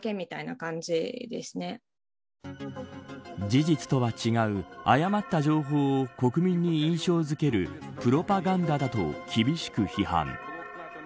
事実とは違う誤った情報を国民に印象づけるプロパガンダだと厳しく批判。